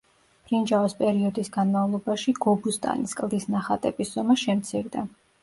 ბრინჯაოს პერიოდის განმავლობაში, გობუსტანის კლდის ნახატების ზომა შემცირდა.